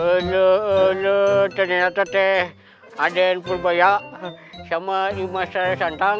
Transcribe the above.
elo elo ternyata teh aden purbaya sama imastra santang